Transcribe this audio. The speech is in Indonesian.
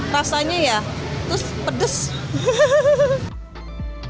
rasanya ya terus pedes